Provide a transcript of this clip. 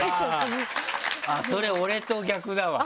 それ、俺と逆だわ。